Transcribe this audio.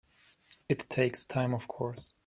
It takes time of course.